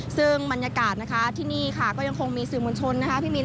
ซึ่งบรรยากาศที่นี่ค่ะก็ยังคงมีสื่อมุญชน